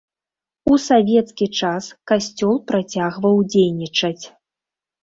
У савецкі час касцёл працягваў дзейнічаць.